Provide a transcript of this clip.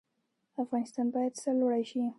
افغانستان باید سرلوړی شي